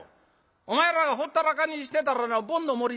お前らがほったらかにしてたらなボンの守り